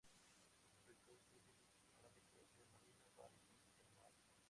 Este proyecto ofrece vistas panorámicas de Marina Bay y el mar.